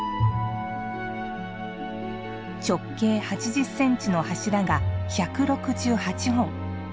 直径８０センチの柱が１６８本。